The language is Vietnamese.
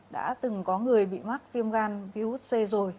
đã từng có người bị mắc viêm gan virus c rồi